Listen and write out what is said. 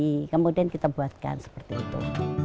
jadi ini adalah hal yang kita buatkan seperti itu